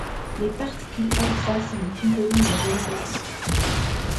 Les particules alpha sont des composants des rayons cosmiques.